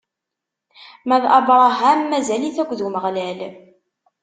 Ma d Abṛaham mazal-it akked Umeɣlal.